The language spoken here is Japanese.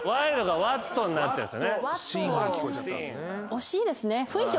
惜しいですね。